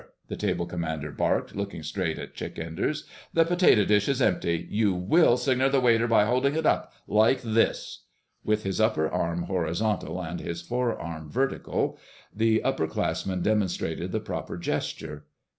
the table commander barked, looking straight at Chick Enders. "The potato dish is empty. You will signal the waiter by holding it up—like this." With his upper arm horizontal and his forearm vertical, the upperclassman demonstrated the proper gesture.